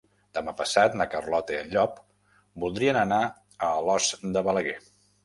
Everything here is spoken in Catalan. Demà passat na Carlota i en Llop voldrien anar a Alòs de Balaguer.